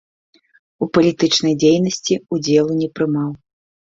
У палітычнай дзейнасці ўдзелу не прымаў.